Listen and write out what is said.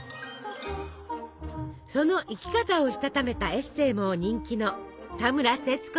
その生き方をしたためたエッセイも人気の田村セツコさん。